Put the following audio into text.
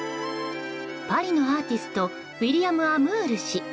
パリのアーティストウィリアム・アムール氏。